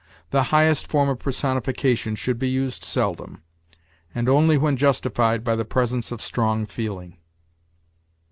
The highest form of personification should be used seldom, and only when justified by the presence of strong feeling."